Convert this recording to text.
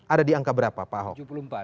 ada di angka berapa pak ahok